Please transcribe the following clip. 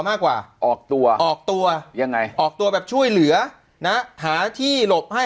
มากกว่าออกตัวออกตัวยังไงออกตัวแบบช่วยเหลือนะหาที่หลบให้